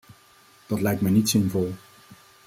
Dat lijkt mij niet zinvol.